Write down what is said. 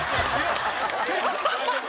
ハハハハ！